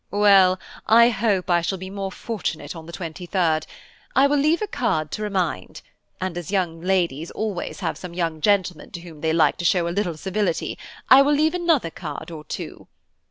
"Well, I hope I shall be more fortunate on the 23rd. I will leave a card to remind; and as young ladies always have some young gentlemen to whom they like to show a little civility, I will leave another card or two.